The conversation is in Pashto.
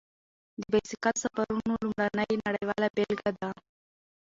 د بایسکل سفرونو لومړنی نړیواله بېلګه دی.